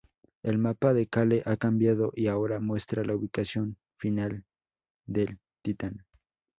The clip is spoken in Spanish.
El mapa de Cale ha cambiado y ahora muestra la ubicación final del "Titán".